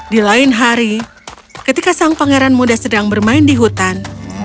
di lain hari ketika sang pangeran muda sedang bermain di hutan